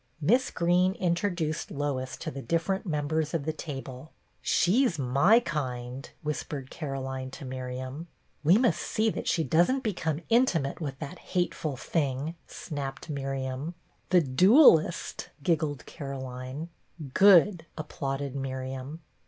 Miss Greene introduced Lois to the differ ent members of the table. "She's my kind," whispered Caroline to Miriam. "We must see that she doesn't become intimate with that hateful thing," snapped Miriam. I A ROOMMATE 87 " The duellist," giggled Caroline. " Good !" applauded Miriam.